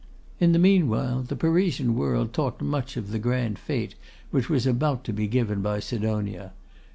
In the meanwhile, the Parisian world talked much of the grand fete which was about to be given by Sidonia.